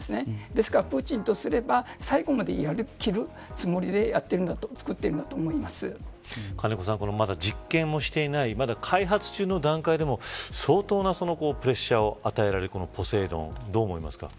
ですから、プーチンとすれば最後までやりきるつもりで金子さんまだ実験もしていないまだ開発中の段階でも相当なプレッシャーを与えられるこのポセイドンどう思いますか。